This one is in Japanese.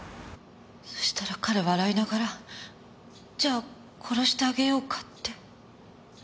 そしたら彼笑いながらじゃあ殺してあげようかって。